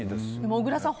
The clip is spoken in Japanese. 小倉さん